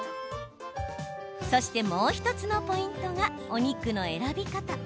そして、もう１つのポイントがお肉の選び方。